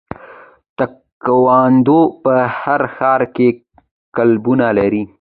تکواندو په هر ښار کې کلبونه لري.